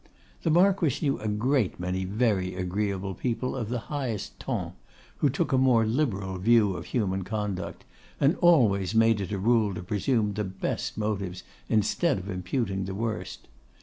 The Marquess knew a great many very agreeable people of the highest ton, who took a more liberal view of human conduct, and always made it a rule to presume the best motives instead of imputing the worst.